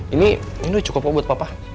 ini cukup kok buat papa